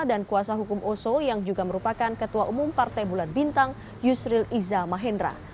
dan kuasa hukum oso yang juga merupakan ketua umum partai bulan bintang yusril iza mahendra